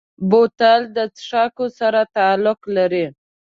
بوتل د څښاکو سره تعلق لري.